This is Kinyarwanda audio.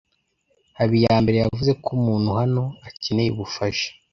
Habiyambere yavuze ko umuntu hano akeneye ubufasha.